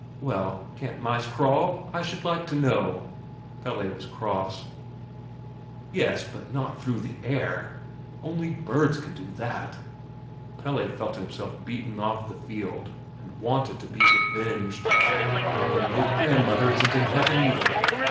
"Well, can't mice crawl, I should like to know?" Pelle was cross. "Yes; but not through the air. Only birds can do that." Pelle felt himself beaten off the field and wanted to be revenged. "Then your grandmother isn't in heaven, either!"